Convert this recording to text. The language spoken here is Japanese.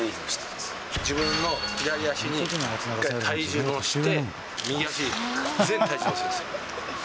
自分の左足に、一回体重を乗せて、右足に全体重を乗せる。